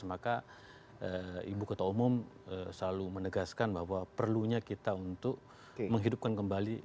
maka ibu ketua umum selalu menegaskan bahwa perlunya kita untuk menghidupkan kembali